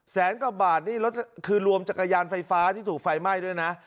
แสนกว่าบาทนี่รถคือรวมจักรยานไฟฟ้าที่ถูกไฟไหม้ด้วยนะ